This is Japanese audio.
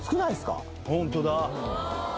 本当だ。